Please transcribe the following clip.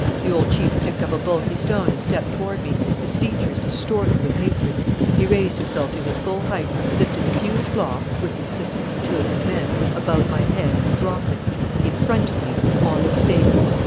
"The old chief picked up a bulky stone and stepped toward me, his features distorted with hatred. He raised himself to his full height, lifted the huge block, with the assistance of two of his men, above my head and dropped it in front of me, on the stake!